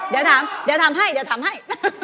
เดี๋ยวถามให้เดี๋ยวถามให้